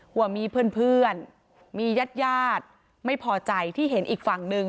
ว่ามีเพื่อนมีญาติญาติไม่พอใจที่เห็นอีกฝั่งหนึ่ง